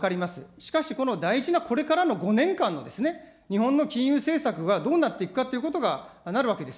しかし、この大事なこれからの５年間のですね、日本の金融政策がどうなっていくかということが、なるわけです。